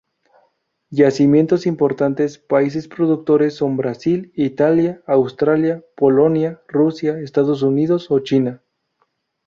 Yacimientos importantes países productores son Brasil, Italia, Austria, Polonia, Rusia, Estados Unidos o China.